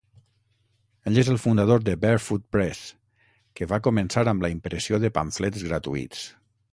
Ell és el fundador de Barefoot Press, que va començar amb la impressió de pamflets gratuïts.